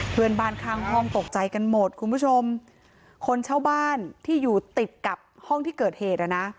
เพื่อนบ้านข้างห้องตกใจกันหมดคุณผู้ชมคนเช่าบ้านที่อยู่ติดกับห้องที่เกิดเหตุอ่ะนะ